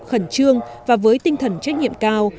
khẩn trương và với tinh thần trách nhiệm cao